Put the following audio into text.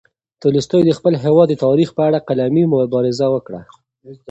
تولستوی د خپل هېواد د تاریخ په اړه قلمي مبارزه وکړه.